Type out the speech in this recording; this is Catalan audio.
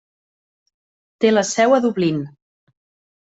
Té la seu a Dublín.